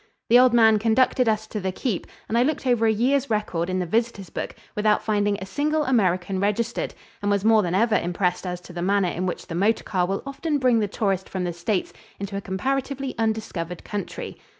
The old man conducted us to the keep, and I looked over a year's record in the visitors' book without finding a single American registered, and was more than ever impressed as to the manner in which the motor car will often bring the tourist from the States into a comparatively undiscovered country.